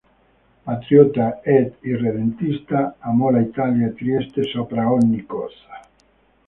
Patriota ed irredentista, amò l'Italia e Trieste sopra ogni cosa.